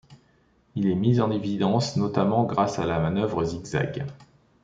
Il est mis en évidence notamment grâce à la manœuvre zig-zag.